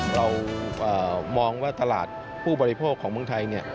เรามองว่าตลาดผู้บริโภคของเมืองไทย